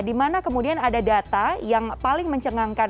di mana kemudian ada data yang paling mencengangkan